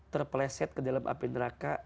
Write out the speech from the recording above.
terpleset ke dalam api neraka